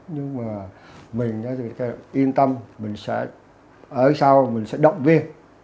nhưng mà mình yên tâm mình sẽ ở sau mình sẽ động viên